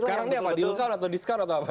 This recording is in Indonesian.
sekarang ini apa deal cow atau discount atau apa